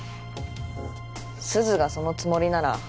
すずがそのつもりなら